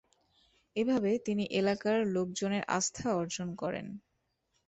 এভাবে তিনি এলাকার লোকজনের আস্থা অর্জন করেন।